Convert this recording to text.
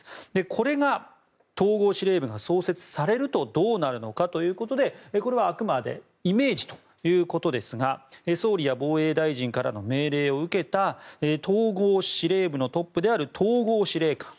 これが統合司令部が創設されるとどうなるのかということでこれはあくまでイメージということですが総理や防衛大臣からの命令を受けた統合司令部のトップである統合司令官